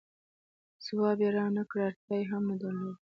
ځواب یې را نه کړ، اړتیا یې هم نه درلوده.